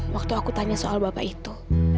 waktu aku tanya soal bapak itu